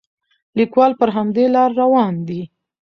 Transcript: لیکوال پر همدې لاره روان دی.